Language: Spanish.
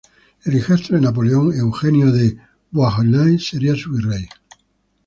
El hijastro de Napoleón, Eugenio de Beauharnais, sería su virrey.